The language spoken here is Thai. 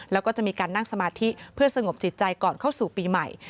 แล้วก็จะมีการนั่งสมาธิเพื่อสงบจิตใจก่อนเข้าสู่ปีใหม่